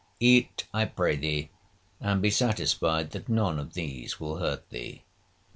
Eat, I pray thee, and be satisfied that none of these will hurt thee.